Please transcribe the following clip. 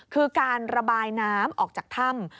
คือการระบายน้ำออกจากถ้ำ